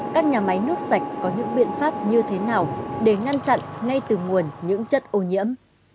các nhà máy nước sạch có những biện pháp như thế nào để ngăn chặn ngay từ nguồn những chất ô nhiễm